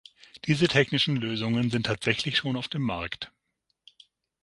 Diese technischen Lösungen sind tatsächlich schon auf dem Markt.